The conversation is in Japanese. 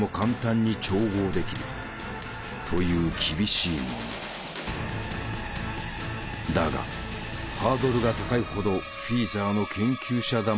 だがハードルが高いほどフィーザーの研究者魂に火がついた。